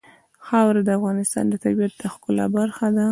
خاوره د افغانستان د طبیعت د ښکلا برخه ده.